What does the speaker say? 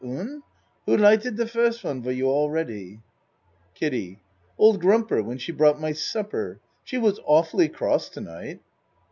Un? Who lighted the first one for you all ready? KIDDIE Old Grumper, when she brought my supper. She was awful cross to night.